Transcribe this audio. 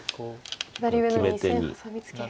左上の２線ハサミツケ。